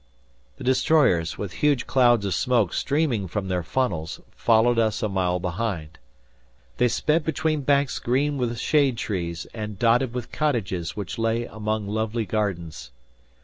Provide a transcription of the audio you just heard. The destroyers, with huge clouds of smoke streaming from their funnels, followed us a mile behind. They sped between banks green with shade trees and dotted with cottages which lay among lovely gardens.